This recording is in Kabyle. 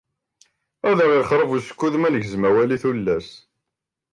Ad aɣ ixṛeb usekkud manegzem awal i tullas.